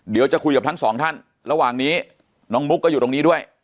เดี๋ยวจะคุยกับทั้งสองท่านระหว่างนี้น้องมุกก็อยู่ตรงนี้ด้วย